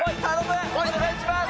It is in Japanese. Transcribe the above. お願いします！